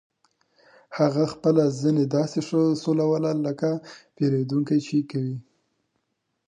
هغه خپله زنې داسې سولوله لکه پیرودونکي چې کوي